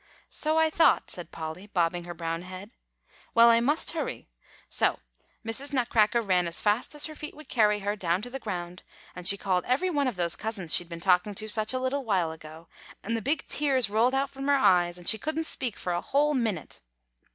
"So I thought," said Polly bobbing her brown head. "Well, I must hurry. So Mrs. Nutcracker ran as fast as her feet would carry her, down to the ground, and she called every one of those cousins she'd been talking to such a little while ago, and the big tears rolled out from her eyes, and she couldn't speak for a whole minute.